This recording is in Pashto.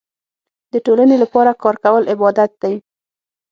د ټولنې لپاره کار کول عبادت دی.